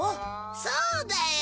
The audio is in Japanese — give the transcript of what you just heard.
そうだよ。